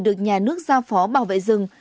được nhà nước giao phó bảo vệ rừng